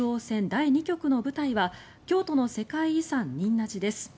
第２局の舞台は京都の世界遺産・仁和寺です。